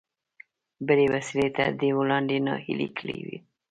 بلې وسيلې تر دې وړاندې ناهيلی کړی و.